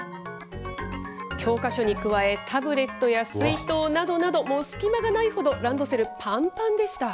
教科書に加え、タブレットや水筒などなど、もう隙間がないほど、ランドセルぱんぱんでした。